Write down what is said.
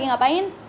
neng jawab something